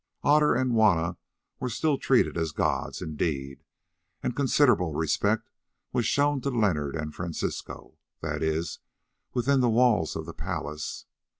Otter and Juanna were still treated as gods indeed, and considerable respect was shown to Leonard and Francisco, that is, within the walls of the palace.